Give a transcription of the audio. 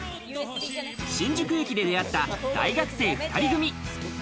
新宿駅で出会った大学生２人組。